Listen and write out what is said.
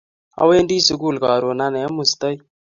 Awendi sukul karon ane, amustai